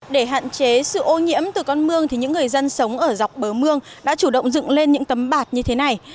để hạn chế sự ô nhiễm từ con mương thì những người dân sống ở dọc bờ mương đã chủ động dựng lên những tấm bạt như thế này